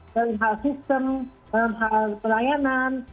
dari hal sistem dalam hal pelayanan